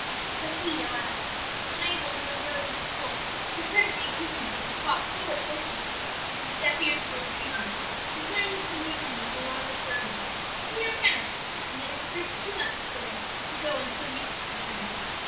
"But he, alas! unable, in the nobility of his soul, to credit the existence of a plot so atrocious, turned a deaf ear to their entreaties, declaring his conviction that the alarm was groundless a mere panic and that his troops could not be spared to go on so useless an errand.